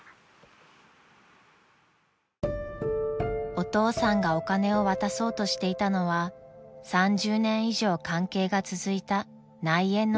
［お父さんがお金を渡そうとしていたのは３０年以上関係が続いた内縁の妻でした］